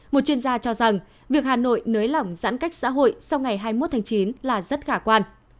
một chuyên gia cho rằng việc hà nội nới lỏng giãn cách xã hội sau ngày hai mươi một tháng chín là rất khả quan